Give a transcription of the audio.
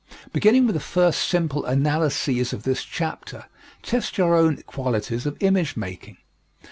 Beginning with the first simple analyses of this chapter, test your own qualities of image making.